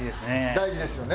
大事ですよね。